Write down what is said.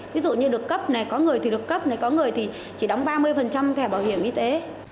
ví dụ như được cấp này có người thì được cấp này có người thì chỉ đóng ba mươi thẻ bảo hiểm y tế